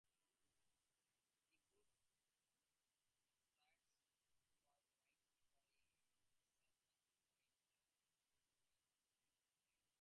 The book series was written by Suzanne Weyn and illustrated by Tom Brannon.